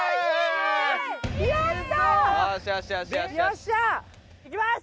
よっしゃいきます。